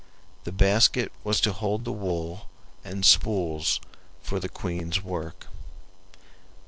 The basket was to hold the wool and spools for the queen's work.